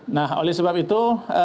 nah oleh sebab itu